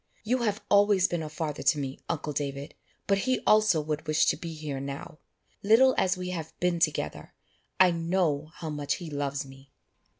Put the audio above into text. You have always been a father to me, uncle David, but he also would wish to be here now. Little as we have been together, I know how much he loves me."